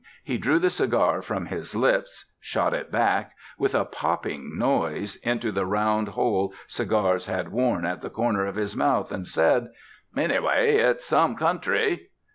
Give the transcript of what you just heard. He drew the cigar from his lips, shot it back with a popping noise into the round hole cigars had worn at the corner of his mouth, and said, "Anyway, it's some country."